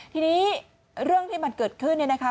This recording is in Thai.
ทีนี้เรื่องที่มันเกิดขึ้นเนี่ยนะคะ